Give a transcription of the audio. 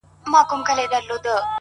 بیا خرڅ کړئ شاه شجاع یم پر پردیو-